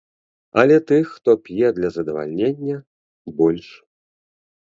Але тых, хто п'е для задавальнення, больш.